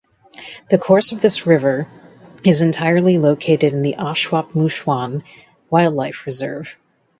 The course of this river is entirely located in the Ashuapmushuan Wildlife Reserve.